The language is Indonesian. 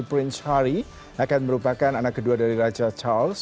nah berikutnya adalah barulah nanti prince harry akan merupakan anak kedua dari raja charles